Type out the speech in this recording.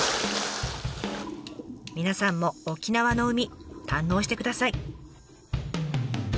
皆さんも沖縄の海堪能してください。